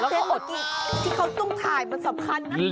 ว่าคอนเทนต์หมดที่เขาต้องถ่ายมันสำคัญนะ